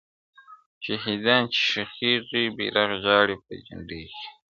شهیدان دي چي ښخیږي بیرغ ژاړي په جنډۍ کي-